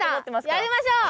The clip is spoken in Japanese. やりましょう！